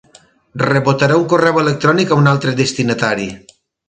Rebotarà un correu electrònic a un altre destinatari.